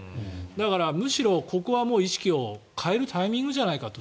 だからむしろここは意識を変えるタイミングじゃないかと。